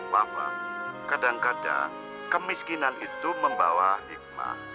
bahwa kadang kadang kemiskinan itu membawa hikmah